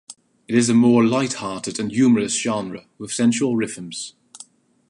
It is a more light-hearted and humorous genre, with sensual rhythms.